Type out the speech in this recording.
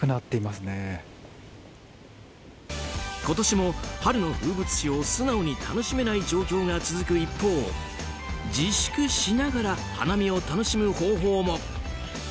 今年も春の風物詩を素直に楽しめない状況が続く一方自粛しながら花見を楽しむ方法も。